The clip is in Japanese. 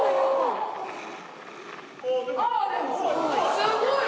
すごい！